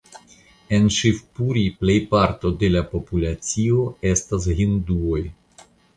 En Ŝivpuri plejparto de la populacio estas hinduoj.